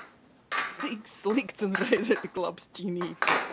Tik slikts un reizē tik labs ķinītis.